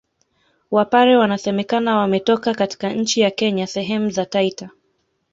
Wapare wanasemekana wametoka katika nchi ya Kenya sehemu za Taita